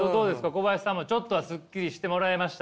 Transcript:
小林さんもちょっとはすっきりしてもらえました？